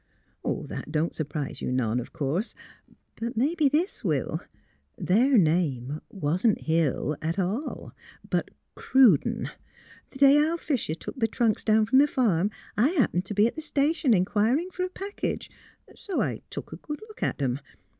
'' That don 't surprise you none, of course ; but mebbe this will: Their name wasn't Hill, at all; but Cruden. The day Al Fisher took the trunks down from the farm I happened t' be at the sta tion inquiring for a package; so I took a good look at 'em.